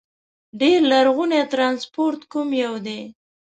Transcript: ډېر لرغونی ترانسپورت کوم یو دي؟